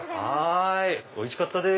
おいしかったです。